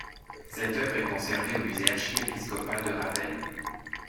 Cette œuvre est conservée au musée archiépiscopal de Ravenne.